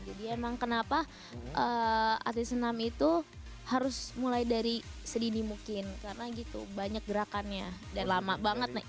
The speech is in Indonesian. jadi emang kenapa artis enam itu harus mulai dari sedini mungkin karena gitu banyak gerakannya dan lama banget